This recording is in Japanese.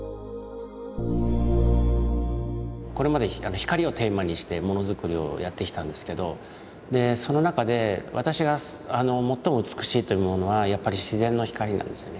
これまで光をテーマにしてものづくりをやってきたんですけどその中で私が最も美しいというものはやっぱり自然の光なんですよね。